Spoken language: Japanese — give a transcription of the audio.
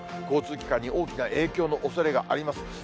交通機関に大きな影響のおそれがあります。